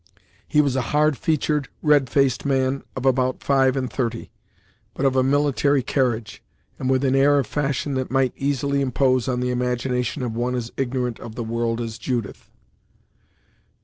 He was a hard featured, red faced man of about five and thirty; but of a military carriage, and with an air of fashion that might easily impose on the imagination of one as ignorant of the world as Judith.